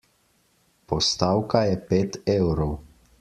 Postavka je pet evrov.